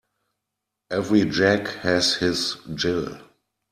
Every Jack has his Jill.